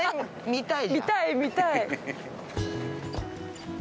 見たい見たい。